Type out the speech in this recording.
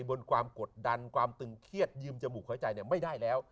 บนความกดดันความตึงเครียดยืมจมูกหายใจไม่ได้แล้ว